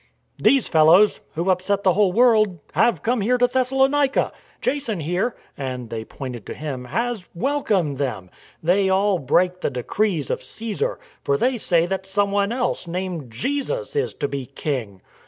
" These fellows who upset the whole world have come here to Thessalonica. Jason here "— and they pointed to him —" has welcomed them. They all break the decrees of Csesar; for they say that someone else, named Jesus, is to be king."